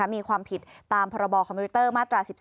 มีความผิดตามพรบคอมพิวเตอร์มาตรา๑๒